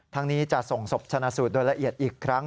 ทั้งนี้จะส่งศพชนะสูตรโดยละเอียดอีกครั้ง